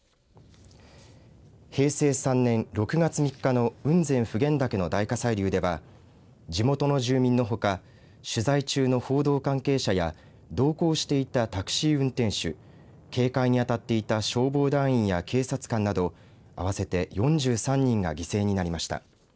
平成３年６月３日の雲仙・普賢岳の大火砕流では地元の住民のほか取材中の報道関係者や同行していたタクシー運転手警戒にあたっていた消防団員や警察官など合わせて４３人が犠牲になりました。